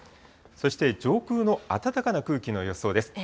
そして上空の暖かな空気の予想です。